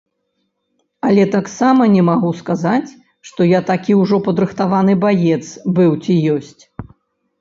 Але таксама не магу сказаць, што я такі ўжо падрыхтаваны баец быў ці ёсць.